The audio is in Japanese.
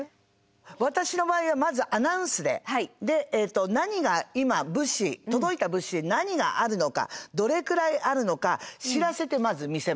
私の場合はまずアナウンスで何が今物資届いた物資何があるのかどれくらいあるのか知らせてまず見せます。